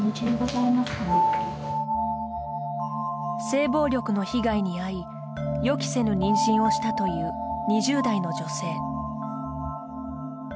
性暴力の被害に遭い予期せぬ妊娠をしたという２０代の女性。